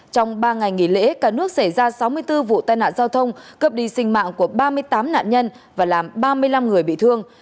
trong ba ngày nghỉ lễ cả nước xảy ra sáu mươi bốn vụ tai nạn giao thông cướp đi sinh mạng của ba mươi tám nạn nhân và làm ba mươi năm người bị thương